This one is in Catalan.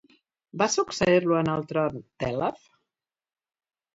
Va succeir-lo en el tron Tèlef?